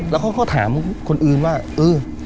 แล้วเขาก็ถามคนอื่นว่าเออ